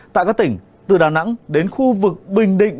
tại các tỉnh từ đà nẵng đến khu vực bình định